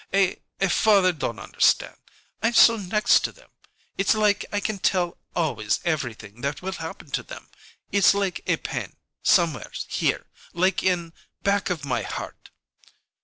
A a father don't understand. I'm so next to them. It's like I can tell always everything that will happen to them it's like a pain somewheres here like in back of my heart."